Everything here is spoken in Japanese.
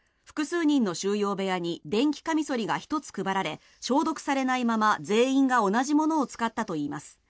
複数人の収容部屋に電気カミソリが１つ配られ消毒されないまま、全員が同じものを使ったといいます。